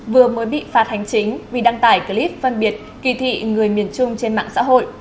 vừa mới bị phạt hành chính vì đăng tải clip phân biệt kỳ thị người miền trung trên mạng xã hội